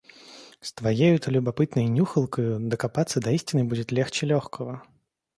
С твоею-то любопытной нюхалкою докопаться до истины будет легче лёгкого!